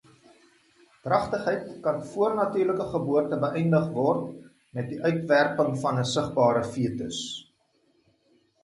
Dragtigheid kan voor natuurlike geboorte beëindig word met die uitwerping van 'n sigbare fetus.